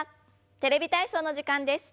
「テレビ体操」の時間です。